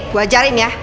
gue ajarin ya